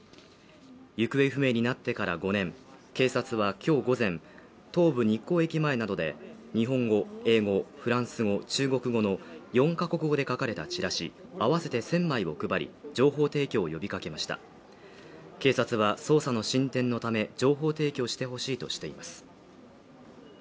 行方不明になってから５年警察はきょう午前東武日光駅前などで日本語、英語フランス語、中国語の４か国語で書かれたチラシ合わせて１０００枚を配り情報提供を呼びかけました警察は捜査の進展のため情報提供してほしいとしています